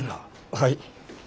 はい。